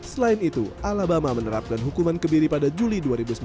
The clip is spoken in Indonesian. selain itu alabama menerapkan hukuman kebiri pada juli dua ribu sembilan belas